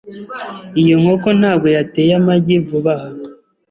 Iyo nkoko ntabwo yateye amagi vuba aha .